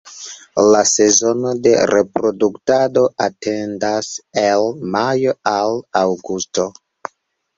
La sezono de reproduktado etendas el majo al aŭgusto.